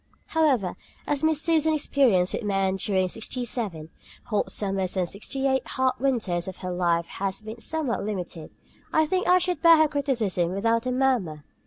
However, as Miss Susan's experience with men during the sixty seven hot summers and sixty eight hard winters of her life has been somewhat limited, I think I should bear her criticism without a murmur.